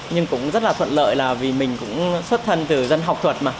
nhưng cũng rất là thuận lợi là vì mình cũng xuất thân từ dân học thuật mà